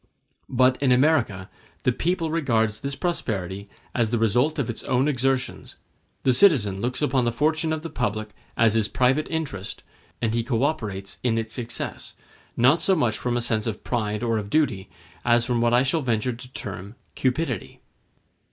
But in America the people regards this prosperity as the result of its own exertions; the citizen looks upon the fortune of the public as his private interest, and he co operates in its success, not so much from a sense of pride or of duty, as from what I shall venture to term cupidity.